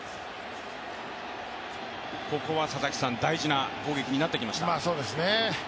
ここは大事な攻撃になってきました。